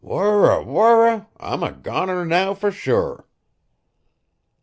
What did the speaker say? Wurra! Wurra! I'm a goner now for shure."